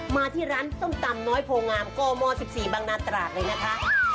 มาที่ร้านส้มตำน้อยโพงามกม๑๔บังนาตราดเลยนะคะ